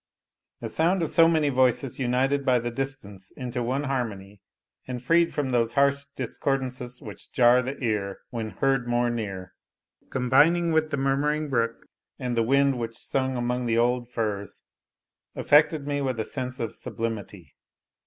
The sound of so many voices united by the distance into one harmony, and freed from those harsh discordances which jar the ear when heard more near, combining with the murmuring brook, and the wind which sung among the old firs, affected me with a sense of sublimity.